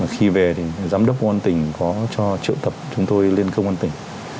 khi về thì giám đốc công an tỉnh có cho triệu tập chúng tôi lên công